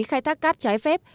khai thác cát trái phép